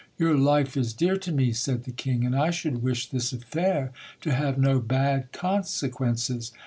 Your life is dear to me, said the king ; and I should wish this affair to have no bad consequences.